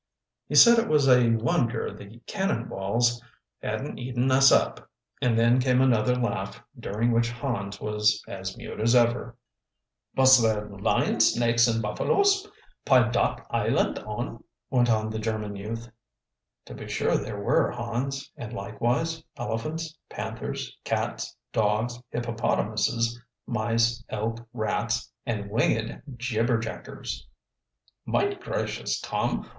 He said it was a wonder the 'cannonballs' hadn't eaten us up," and then came another laugh, during which Hans was as mute as ever. "Vos dere lions, snakes, and buffaloes py dot island on?" went on the German youth. "To be sure there were, Hans. And likewise elephants, panthers, cats, dogs, hippopotamuses, mice, elk, rats, and winged jibberjackers." "Mine gracious, Tom!